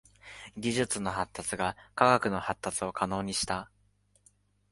技術の発達が科学の発達を可能にした。